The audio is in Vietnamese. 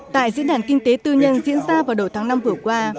tại diễn đàn kinh tế tư nhân diễn ra vào đầu tháng năm vừa qua